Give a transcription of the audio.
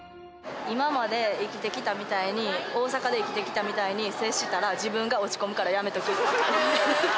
今まで生きてきたみたいに、大阪で生きてきたみたいに接したら、自分が落ち込むからやめとき。